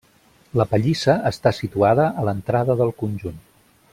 La pallissa està situada a l'entrada del conjunt.